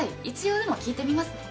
一応聞いてみます。